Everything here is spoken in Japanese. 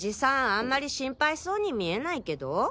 あんまり心配そうに見えないけど。